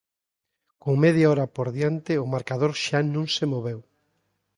Con media hora por diante o marcador xa non se moveu.